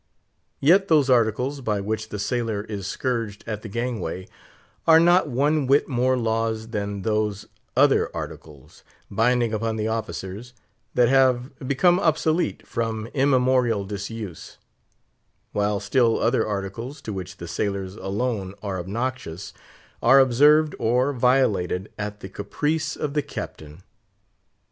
Yet those Articles, by which the sailor is scourged at the gangway, are not one whit more laws than those other Articles, binding upon the officers, that have become obsolete from immemorial disuse; while still other Articles, to which the sailors alone are obnoxious, are observed or violated at the caprice of the Captain.